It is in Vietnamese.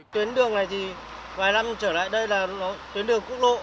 tuyến đường này thì vài năm trở lại đây là tuyến đường quốc lộ